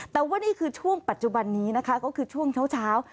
แต่ว่านี่คือช่วงปัจจุบันนี้นะคะก็คือช่วงเช้า